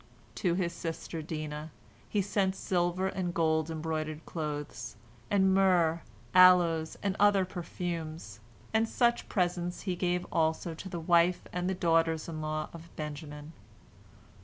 To his sister Dinah he sent silver and gold embroidered clothes, and myrrh, aloes, and other perfumes, and such presents he gave also to the wife and the daughters in law of Benjamin.